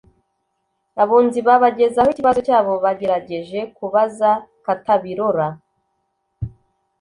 abunzi babagezaho ikibazo cyabo. Bagerageje kubaza Katabirora